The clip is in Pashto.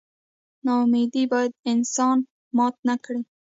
نا امیدي باید انسان مات نه کړي.